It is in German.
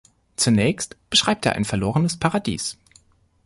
Zunächst beschreibt er ein verlorenes Paradies.